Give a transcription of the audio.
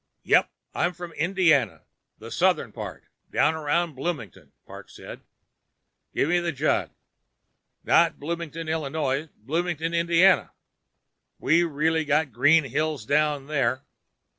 "Yep, I'm from Indiana. Southern part, down around Bloomington," Parks said. "Gimme the jug. Not Bloomington, Illinois—Bloomington, Indiana. We really got green hills down there."